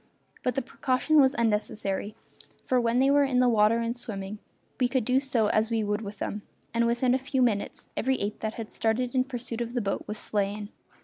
But the precaution was unnecessary, for when they were in the water and swimming we could do as we would with them, and within a few minutes every ape that had started in pursuit of the boat was slain.